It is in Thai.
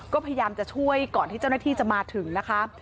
ก็พยายามจะช่วยก่อนที่เจ้าหน้าที่จะมาถึงนะคะ